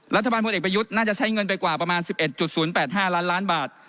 พลเอกประยุทธ์น่าจะใช้เงินไปกว่าประมาณ๑๑๐๘๕ล้านล้านบาท